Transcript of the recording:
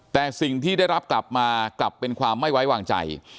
แต่สิ่งที่ได้รับกลับมากลับเป็นความไม่ไว้วางใจ